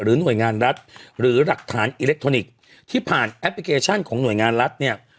หน่วยงานรัฐหรือหลักฐานอิเล็กทรอนิกส์ที่ผ่านแอปพลิเคชันของหน่วยงานรัฐเนี่ย